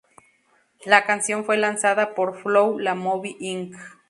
La canción fue lanzada por Flow La Movie Inc.